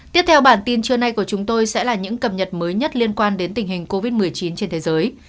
tiếp theo bản tin trưa nay của chúng tôi sẽ là những cập nhật mới nhất liên quan đến tình hình covid một mươi chín trên thế giới